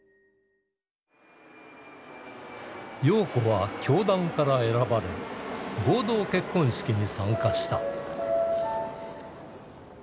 陽子は教団から選ばれ合同結婚式に参加した。